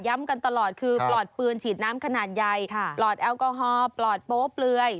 กันตลอดคือปลอดปืนฉีดน้ำขนาดใหญ่ปลอดแอลกอฮอลปลอดโป๊เปลือย